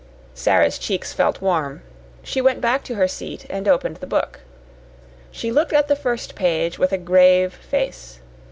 Sara's cheeks felt warm. She went back to her seat and opened the book. She looked at the first page with a grave face.